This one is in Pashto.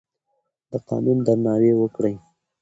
د قانون درناوی وکړئ.